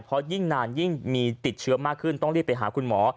เพราะยิ่งนานยิ่งมีติดเชื้อมากขึ้นต้องรีบไปหาคุณหมอ